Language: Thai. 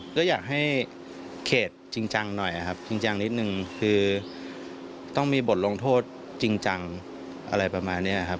ก็อยากให้เขตจริงจังหน่อยครับจริงจังนิดนึงคือต้องมีบทลงโทษจริงจังอะไรประมาณนี้ครับ